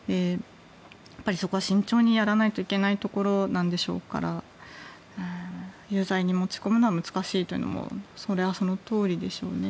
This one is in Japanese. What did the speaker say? やっぱりそこは慎重にやらないといけないところでしょうから有罪に持ち込むのは難しいというのもそれはそのとおりでしょうね。